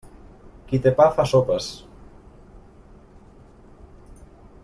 Qui té pa, fa sopes.